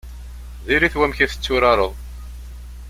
Diri-t wamek i tetturareḍ.